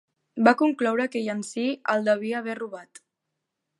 Va concloure que Yancy el devia haver robat.